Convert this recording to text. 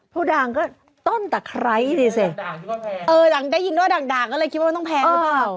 ผู้ด่างก็ต้นตะไคร้นี่สิได้ยินว่าด่างด่างก็เลยคิดว่ามันต้องแพงหรือเปล่า